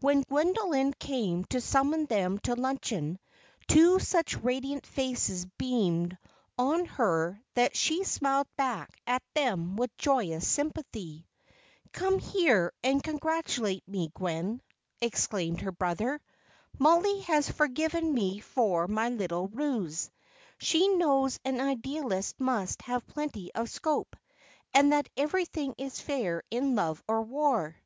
When Gwendoline came to summon them to luncheon, two such radiant faces beamed on her that she smiled back at them with joyous sympathy. "Come here and congratulate me, Gwen," exclaimed her brother. "Mollie has forgiven me for my little ruse; she knows an idealist must have plenty of scope, and that everything is fair in love or war."